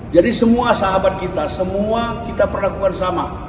jadi semua sahabat kita semua kita perlakukan sama